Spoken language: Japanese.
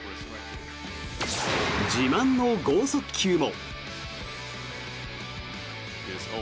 自慢の豪速球も。